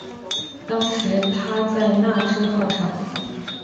当时他在那智号上。